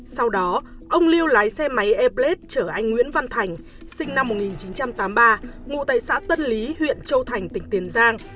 sau đó ông lưu lái xe máy airblade chở anh nguyễn văn thành sinh năm một nghìn chín trăm tám mươi ba ngụ tại xã tân lý huyện châu thành tỉnh tiền giang